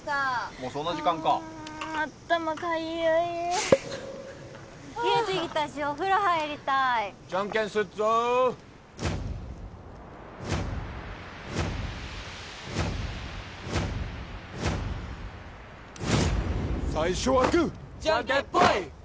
もうそんな時間かあ頭かゆい冷えてきたしお風呂入りたいじゃんけんすっぞ最初はグーじゃんけんぽい！